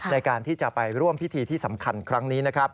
ในการที่จะไปร่วมพิธีที่สำคัญครั้งนี้นะครับ